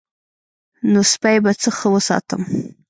نو سپی به څه ښه وساتم.